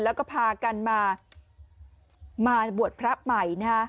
แล้วก็พากันมามาบวชพระใหม่นะฮะ